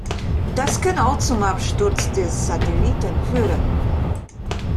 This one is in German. Das kann auch zum Absturz des Satelliten führen.